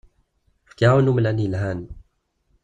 Fkiɣ-awen umlan yelhan.